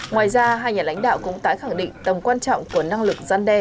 ngoài ra hai nhà lãnh đạo cũng tái khẳng định tầm quan trọng của năng lực gian đe